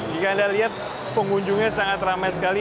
jika anda lihat pengunjungnya sangat ramai sekali